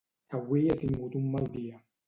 Avui he tingut un mal dia.